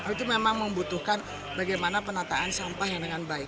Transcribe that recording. itu memang membutuhkan bagaimana penataan sampah yang dengan baik